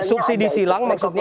subsidi silang maksudnya